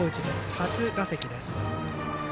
初打席です。